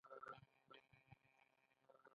نن مې ډېر حالت خراب و. ټوله ورځ مې سره دوره خوړله.